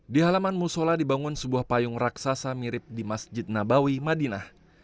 di halaman musola dibangun sebuah payung raksasa mirip di masjid nabawi madinah